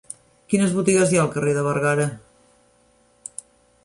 Quines botigues hi ha al carrer de Bergara?